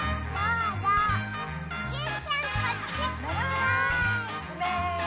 うめ？